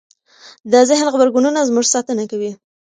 د ذهن غبرګونونه زموږ ساتنه کوي.